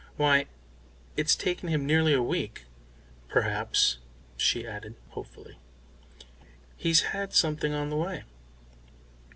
Why, it's taken him nearly a week. Perhaps," she added hopefully, "he's had something on the way."